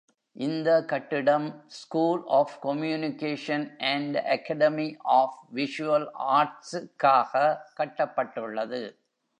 இந்த கட்டிடம் School of Communication and Academy of Visual Arts-க்காக கட்டப்பட்டுள்ளது.